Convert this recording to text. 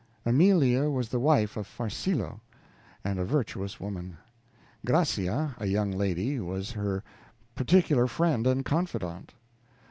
Amelia was the wife of Farcillo, and a virtuous woman; Gracia, a young lady, was her particular friend and confidant.